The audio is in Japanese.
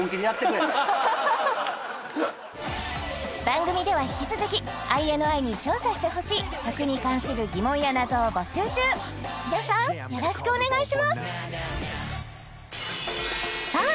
番組では引き続きＩＮＩに調査してほしい食に関する疑問や謎を募集中皆さんよろしくお願いしますさあ